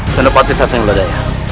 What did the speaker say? saya sudah berhasil mencari daya